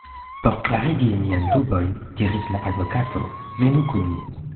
Por klarigi miajn dubojn, diris la advokato, venu kun mi.